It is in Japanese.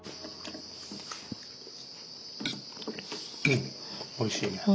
うんおいしいね。